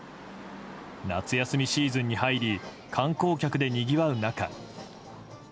夏休みシーズンに入り観光客でにぎわう中。